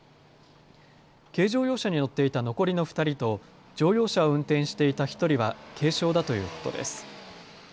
軽乗用車に乗っていた残りの２人と乗用車を運転していた１人は軽傷だということです。